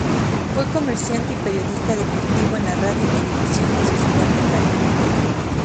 Fue comerciante y periodista deportivo en la radio y televisión de su ciudad natal.